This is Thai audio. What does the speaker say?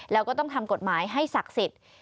แล้วก็ต้องทำกฎหมายให้ศักดิ์สิทธิ์